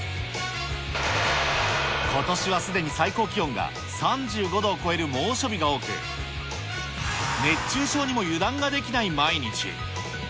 ことしはすでに最高気温が３５度を超える猛暑日が多く、熱中症にも油断ができない毎日。